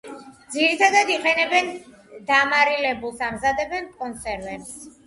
ძირითადად იყენებენ დამარილებულს, ამზადებენ კონსერვებს.